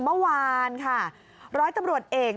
เมื่อวานค่ะร้อยตำรวจเอก